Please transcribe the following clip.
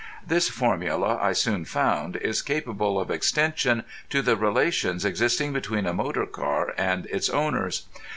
This formula, I soon found, is capable of extension to the relations existing between a motor car and its owners.